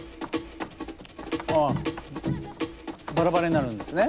ああバラバラになるんですね。